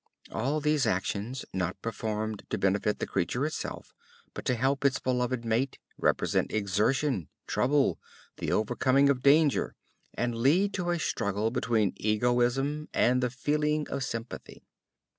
All these actions, not performed to benefit the creature itself, but to help its beloved mate, represent exertion, trouble, the overcoming of danger, and lead to a struggle between egoism and the feeling of sympathy.